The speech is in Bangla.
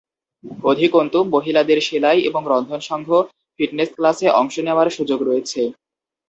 অধিকন্তু, মহিলাদের সেলাই এবং রন্ধন সংঘ, ফিটনেস ক্লাসে অংশ নেওয়ার সুযোগ রয়েছে।